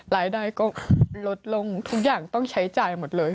รายได้ก็ลดลงทุกอย่างต้องใช้จ่ายหมดเลย